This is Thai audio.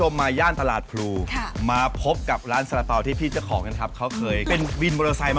พี่ถามว่าอาหารนะไปกับแม่ไหม